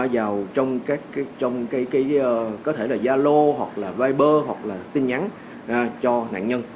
vào trong cái có thể là gia lô hoặc là viper hoặc là tin nhắn cho nạn nhân